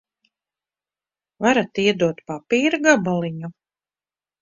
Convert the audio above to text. Varat iedot papīra gabaliņu?